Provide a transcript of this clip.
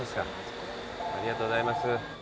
ありがとうございます。